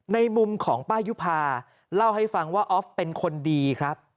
ในมุมของป้ายุภาเล่าให้ฟังว่าออฟเป็นคนดีครับ